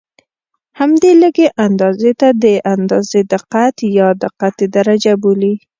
همدې لږې اندازې ته د اندازې دقت یا دقت درجه بولي.